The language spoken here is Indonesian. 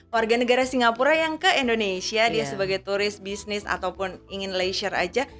warga negara singapura yang ke indonesia dia sebagai turis bisnis ataupun ingin leisure aja